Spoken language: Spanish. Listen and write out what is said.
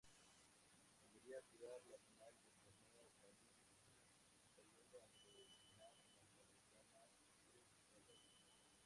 Volvería a jugar la final del torneo parisino, cayendo ante la norteamericana Chris Evert.